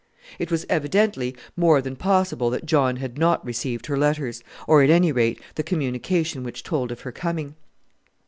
It was evidently more than possible that John had not received her letters, or, at any rate, the communication which told of her coming.